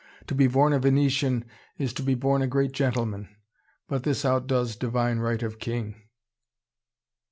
To be born a Venetian, is to be born a great gentleman! But this outdoes divine right of king."